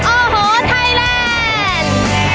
โอ้โหไทยแลนด์